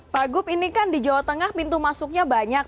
pak gup ini kan di jawa tengah pintu masuknya banyak